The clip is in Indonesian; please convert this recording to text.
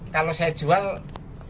kalau saya jual pengen